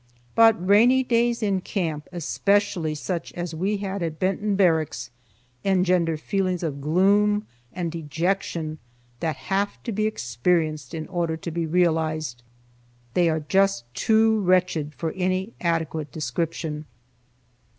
But rainy days in camp, especially such as we had at Benton Barracks, engender feelings of gloom and dejection that have to be experienced in order to be realized. They are just too wretched for any adequate description.